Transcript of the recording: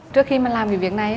trước khi mà làm cái việc này